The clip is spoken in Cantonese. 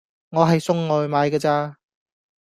我係送外賣㗎咋